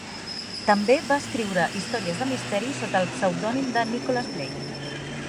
També va escriure històries de misteri sota el pseudònim de Nicholas Blake.